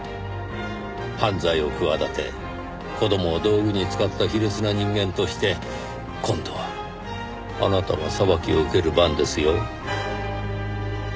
犯罪を企て子供を道具に使った卑劣な人間として今度はあなたが裁きを受ける番ですよ。